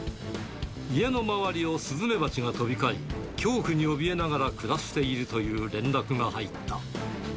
家の周りをスズメバチが飛び交い、恐怖におびえながら暮らしているという連絡が入った。